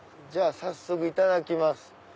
じゃあ早速いただきます。